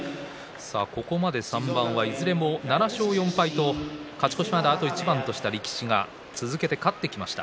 ここまで３番は７勝４敗の勝ち越しまであと一番とした力士が続けて勝ってきました。